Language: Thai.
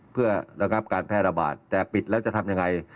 เพื่อระงับการแพร่ระบาดแต่ปิดแล้วจะทำยังไง